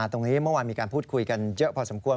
เมื่อวานมีการพูดคุยกันเยอะพอสมควร